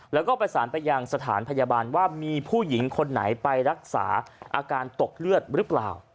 แล้วก็ประสานไปยังสถานพยาบาลว่ามีผู้หญิงคนไหนไปรักษาอาการตกเลือดหรือเปล่า